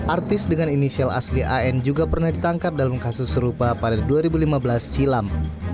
artis dengan inisial asli an juga pernah ditangkap dalam kasus serupa pada dua ribu lima belas silam